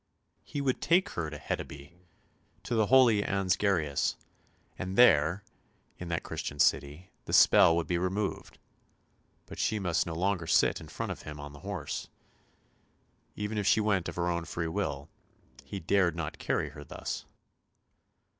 He would take her to Hedeby, to the holy Ansgarius, and there, in that Christian city, the spell would be removed; but she must no longer sit in front of him on the horse, even if she went of her own free will; he dared not carry her thus.